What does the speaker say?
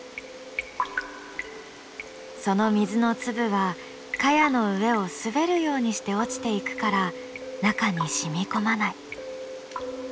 その水の粒は茅の上を滑るようにして落ちていくから中に染み込まない。